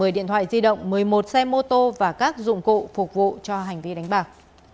một mươi điện thoại di động một mươi một xe mô tô và các dụng cụ phục vụ cho hành vi đánh bạc